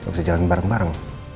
bisa jalanin bareng bareng